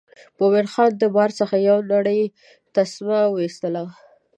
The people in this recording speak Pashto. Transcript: مومن خان د مار څخه یو نرۍ تسمه وایستله.